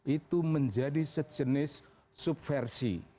itu menjadi sejenis subversi